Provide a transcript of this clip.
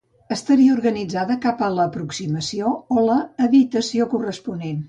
Estaria organitzada cap a l'aproximació o l'evitació corresponent.